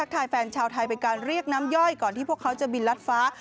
ตามย่อยก่อนที่พวกเขาจะบินรัดฟ้า